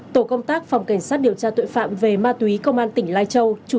tổ công tác phòng cảnh sát điều tra tội phạm về ma túy công an tỉnh lai châu